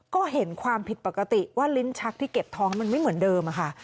ก็เห็นความผิดปกติว่าลิ้นชักที่เก็บท้องมันไม่เหมือนเดิมค่ะ